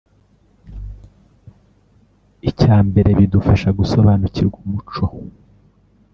Icya mbere bidufasha gusobanukirwa umuco